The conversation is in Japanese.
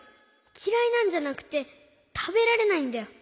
きらいなんじゃなくてたべられないんだよ。